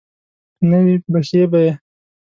که نه وي بښي به یې.